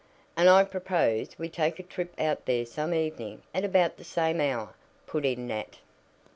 And I propose we take a trip out there some evening at about the same hour," put in Nat.